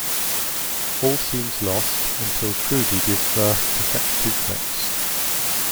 All seems lost until Trudy gives birth to sextuplets.